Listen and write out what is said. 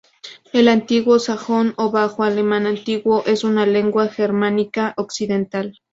El antiguo sajón o bajo alemán antiguo es una lengua germánica occidental.